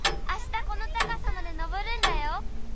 あしたこのたかさまでのぼるんだよ。